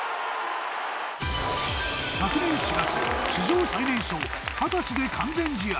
昨年４月史上最年少二十歳で完全試合。